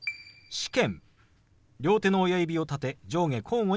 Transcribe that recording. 「試験」。